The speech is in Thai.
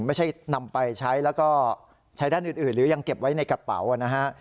ไม่ใช่นำไปใช้แล้วก็ใช้ด้านอื่นหรือยังเก็บไว้ในกระเป๋านะฮะ